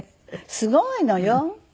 すごいのよ。